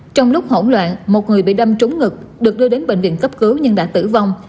trong lúc hỗn loạn một người bị đâm trúng ngực được đưa đến bệnh viện cấp cứu nhưng đã tử vong